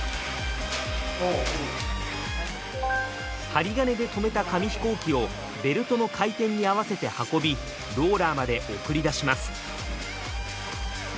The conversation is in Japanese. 針金で留めた紙飛行機をベルトの回転に合わせて運びローラーまで送り出します。